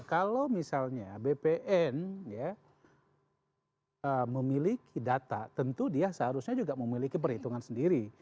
kalau misalnya bpn memiliki data tentu dia seharusnya juga memiliki perhitungan sendiri